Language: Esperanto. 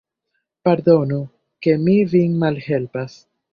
Pardonu, ke mi vin malhelpas.